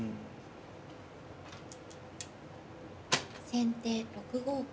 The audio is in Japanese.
先手６五金。